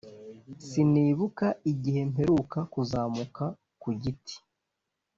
[sinibuka igihe mperuka kuzamuka ku giti.